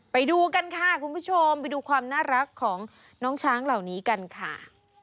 ไปดูกันค่ะคุณผู้ชมไปดูความน่ารักของน้องช้างเหล่านี้กันค่ะ